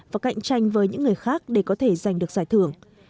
và cạnh tranh với những người khác để có thể giành được giải thưởng